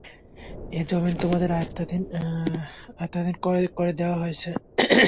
এ যমীন তোমাদের আয়ত্তাধীন করে দেয়া হয়েছে।